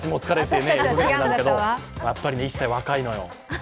やっぱり１歳、若いのよ。